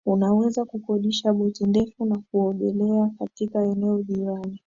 Unaweza kukodisha boti ndefu na kuogelea katika eneo jirani